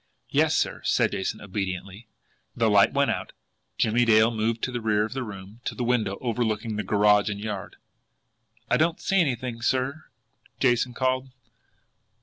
"Yes, sir," said Jason obediently. The light went out. Jimmie Dale moved to the rear of the room to the window overlooking the garage and yard. "I don't see anything, sir," Jason called.